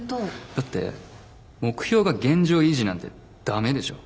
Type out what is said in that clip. だって目標が現状維持なんてダメでしょ？